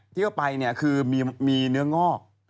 ที่เข้าไปคือมีเนื้องอก